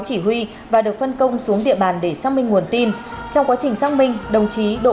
chỉ huy và được phân công xuống địa bàn để xác minh nguồn tin trong quá trình xác minh đồng chí đỗ